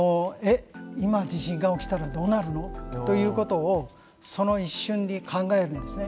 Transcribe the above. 今地震が起きたらどうなるの？ということをその一瞬に考えるんですね。